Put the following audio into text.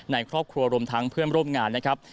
ในครอบครัวรวมทั้งเพื่อนร่วมงานนะครับ